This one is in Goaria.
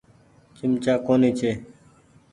چمچآ ڪونيٚ ڇي۔